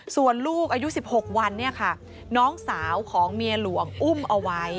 ส่วนลูกอายุ๑๖วันเนี่ยค่ะน้องสาวของเมียหลวงอุ้มเอาไว้